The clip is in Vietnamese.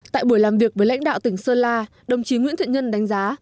tại buổi làm việc với lãnh đạo tỉnh sơn la đồng chí nguyễn thiện nhân đánh giá